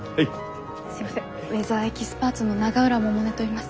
すいませんウェザーエキスパーツの永浦百音といいます。